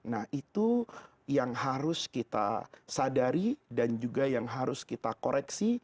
nah itu yang harus kita sadari dan juga yang harus kita koreksi